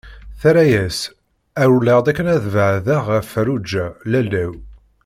Terra-as: Rewleɣ-d akken ad beɛdeɣ ɣef Feṛṛuǧa, lalla-w.